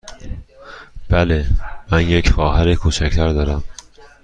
بله، من یک خواهر کوچک تر دارم.